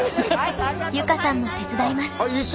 結香さんも手伝います。